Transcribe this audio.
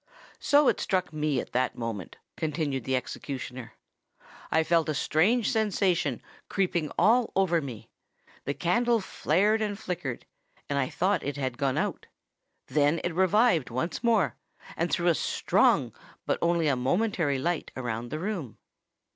"So it struck me at that moment," continued the executioner. "I felt a strange sensation creeping all over me; the candle flared and flickered; and I thought it had gone out. Then it revived once more, and threw a strong but only a momentary light around the room.